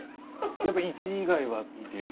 やっぱり１位以外はっていう。